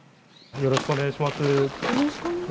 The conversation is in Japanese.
よろしくお願いします。